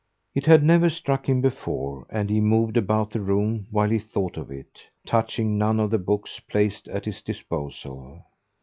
It had never struck him before, and he moved about the room while he thought of it, touching none of the books placed at his disposal.